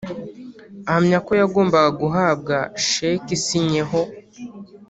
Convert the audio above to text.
Ahamya ko yagombaga guhabwa sheki isinyeho